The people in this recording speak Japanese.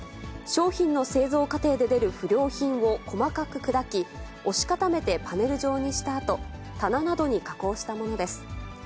商品の製造過程で出る不良品を細かく砕き、押し固めてパネル状にしたあと、棚などに加工したものです。